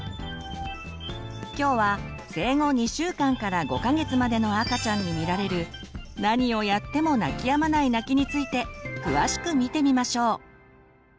今日は生後２週間から５か月までの赤ちゃんに見られる何をやっても泣きやまない泣きについて詳しく見てみましょう。